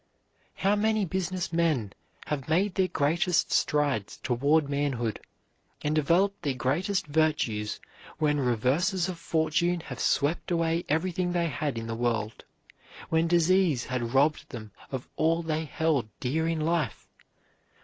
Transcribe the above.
How many business men have made their greatest strides toward manhood, and developed their greatest virtues when reverses of fortune have swept away everything they had in the world; when disease had robbed them of all they held dear in life!